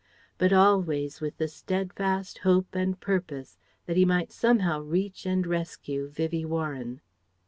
But always with the stedfast hope and purpose that he might somehow reach and rescue Vivie Warren.